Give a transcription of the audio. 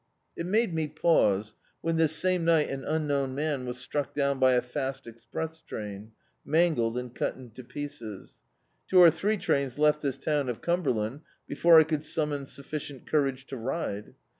It made me pause when this same ni^t an unknown man was struck down by a fast express train, mangled and cut into pieces. Two or three trains left this town of Cumberland before I could summon sufficient courage to ride.